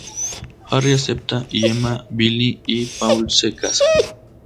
Harry acepta, y Emma "Billie" y Paul se casan.